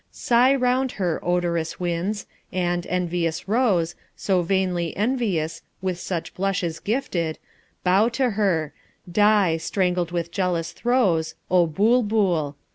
Sigh round her, odorous winds; and, envious rose, So vainly envious, with such blushes gifted, Bow to her; die, strangled with jealous throes, O Bulbul!